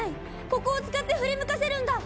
ここを使って振り向かせるんだ。